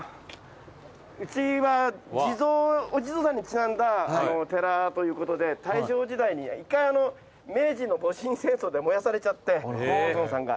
うちはお地蔵さんにちなんだ寺ということで１回明治の戊辰戦争で燃やされちゃってご本尊さんが。